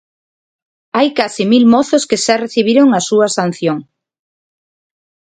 Hai case mil mozos que xa recibiron a súa sanción.